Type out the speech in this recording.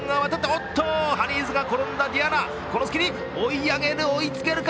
おっと、ハニーズが転んだディアーナ、この隙に追い上げる追いつけるか？